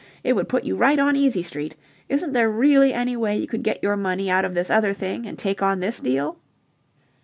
It would put you right on easy street. Isn't there really any way you could get your money out of this other thing and take on this deal?"